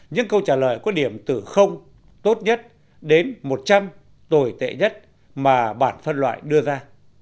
những câu trả lời có điểm từ đến một trăm linh mà bản phân loại đưa ra